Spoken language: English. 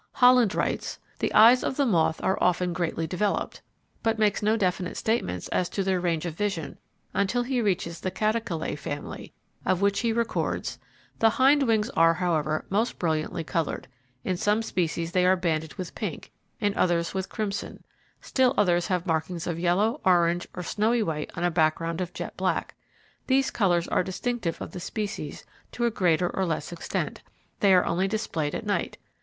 Holland writes: "The eyes of moths are often greatly developed," but makes no definite statements as to their range of vision, until he reaches the Catocalae family, of which he records: "The hind wings are, however, most brilliantly coloured. In some species they are banded with pink, in others with crimson; still others have markings of yellow, orange, or snowy white on a background of jet black. These colours are distinctive of the species to a greater or less extent. They are only displayed at night.